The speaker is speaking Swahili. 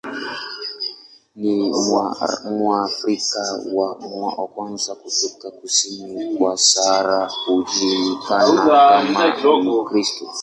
Ni Mwafrika wa kwanza kutoka kusini kwa Sahara kujulikana kama Mkristo.